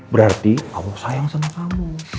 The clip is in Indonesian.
berarti kamu sayang sama kamu